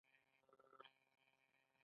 ګاندي مقاومت ته دیني بڼه ورکوله.